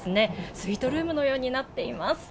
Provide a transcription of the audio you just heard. スイートルームのようになっています。